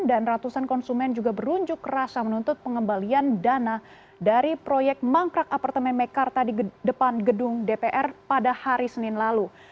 dan ratusan konsumen juga berunjuk kerasa menuntut pengembalian dana dari proyek mangkrak apartemen mekarta di depan gedung dpr pada hari senin lalu